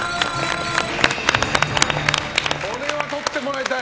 これは取ってもらいたい。